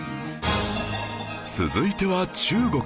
続いては中国